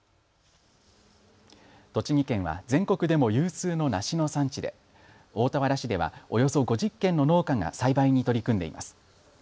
栃木県は全国でも有数の梨の産地で大田原市ではおよそ５０軒の農家が栽培に取り組んでいます。